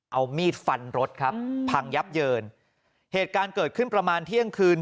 เอามีดฟันรถครับพังยับเยินเหตุการณ์เกิดขึ้นประมาณเที่ยงคืน